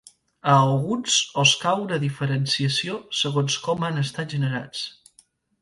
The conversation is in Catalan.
A alguns els cal una diferenciació segons com han estat generats.